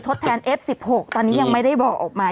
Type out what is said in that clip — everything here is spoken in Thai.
ทดแทนเอฟ๑๖ตอนนี้ยังไม่ได้บอกออกมา